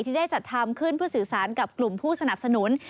ที่ได้จัดทำขึ้นเพื่อสื่อสารกับกลุ่มผู้สนับสนุน